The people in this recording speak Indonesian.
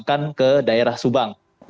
kembali ke daerah subang